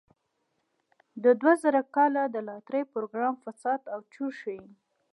د دوه زره کال د لاټرۍ پروګرام فساد او چور ښيي.